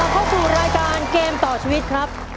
เข้าสู่รายการเกมต่อชีวิตครับ